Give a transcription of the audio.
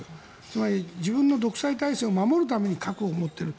つまり自分の独裁体制を守るために核を持っている。